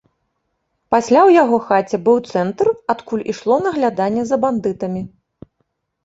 Пасля ў яго хаце быў цэнтр, адкуль ішло нагляданне за бандытамі.